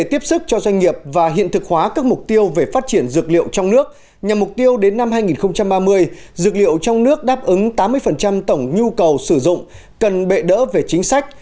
trong năm hai nghìn ba mươi dược liệu trong nước đáp ứng tám mươi tổng nhu cầu sử dụng cần bệ đỡ về chính sách